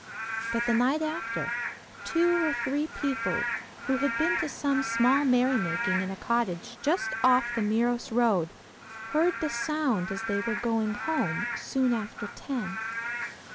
But the night after, two or three people, who had been to some small merrymaking in a cottage just off the Meiros road, heard the sound as they were going home, soon after ten.